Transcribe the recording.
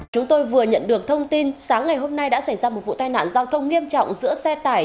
chúng tôi vừa nhận được thông tin sáng ngày hôm nay đã xảy ra một vụ tai nạn giao thông nghiêm trọng giữa xe tải